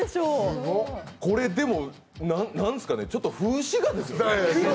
これでも、なんすかねちょっと風刺画ですね。